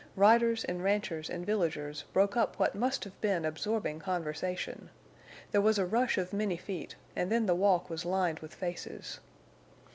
Riders and ranchers and villagers broke up what must have been absorbing conversation. There was a rush of many feet, and then the walk was lined with faces.